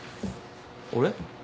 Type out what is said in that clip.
俺？